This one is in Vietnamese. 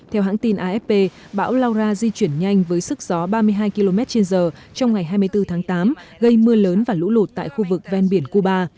theo hãng tin afp bão laura di chuyển nhanh với sức gió ba mươi hai km trên giờ trong ngày hai mươi bốn tháng tám gây mưa lớn và lũ lụt tại khu vực ven biển cuba